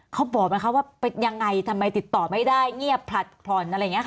เขาบอกไหมคะว่าเป็นยังไงทำไมติดต่อไม่ได้เงียบผลัดผ่อนอะไรอย่างนี้ค่ะ